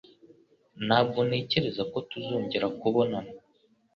Ntabwo ntekereza ko tuzongera kubonana